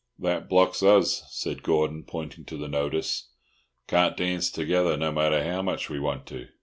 "That blocks us," said Gordon, pointing to the notice. "Can't dance together, no matter how much we want to.